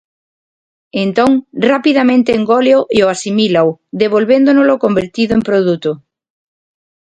Entón, rapidamente engóleo e o asimílao, devolvéndonolo convertido en produto.